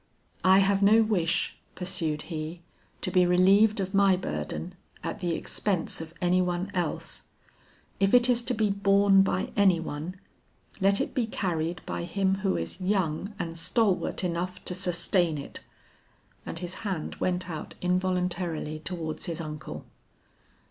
"I have no wish," pursued he, "to be relieved of my burden at the expense of any one else. If it is to be borne by any one, let it be carried by him who is young and stalwart enough to sustain it." And his hand went out involuntarily towards his uncle.